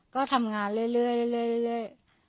ก็ทำงานเรื่อย